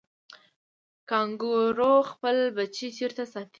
کانګارو خپل بچی چیرته ساتي؟